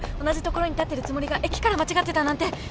同じ所に立ってるつもりが駅から間違ってたなんて